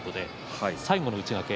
最後の内掛け